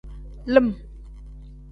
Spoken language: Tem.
Lim.